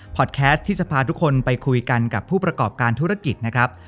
พอดแคสต์ที่จะพาทุกคนไปคุยกันกับผู้ประกอบการธุรกิจนะครับ